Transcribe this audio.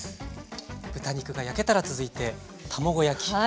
豚肉が焼けたら続いて卵焼きですね。